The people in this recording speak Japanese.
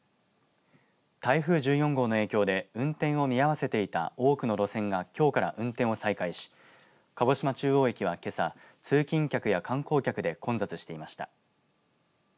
台風１４号の影響で運転を見合わせていた多くの路線がきょうから運転を再開し鹿児島中央駅はけさ、通勤客や観光客で混雑していました。